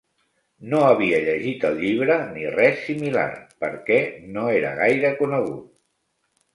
No havia llegit el llibre ni res similar perquè no era gaire conegut.